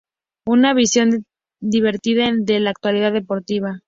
Una visión divertida de la actualidad deportiva.